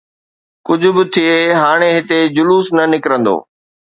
ڪجهه به ٿئي، هاڻي هتي جلوس نه نڪرندو.